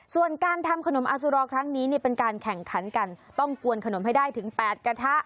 ส่วนการทำขนมอาสุรอครั้งนี้เป็นการแข่งขันกันต้องกวนขนมให้ได้ถึง๘กระทะ